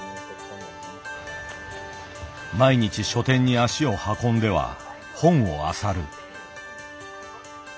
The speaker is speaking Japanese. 毎日書店に足を運んでは本をあさる。